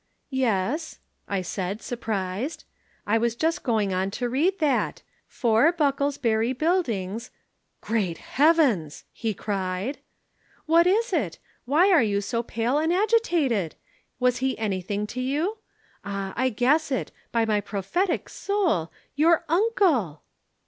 "'Yes,' I said, surprised. I was just going on to read that, '4, Bucklesbury Buildings ' "'Great heavens!' he cried. "'What is it? Why are you so pale and agitated? Was he anything to you. Ah, I guess it by my prophetic soul, your uncle!'